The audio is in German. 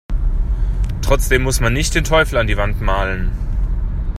Trotzdem muss man nicht den Teufel an die Wand malen.